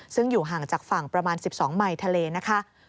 ซึ่งอยู่ห่างจากฝั่งประมาณ๑๒ไมค์ทะเลนะคะ